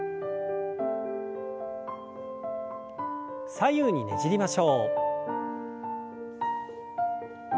左右にねじりましょう。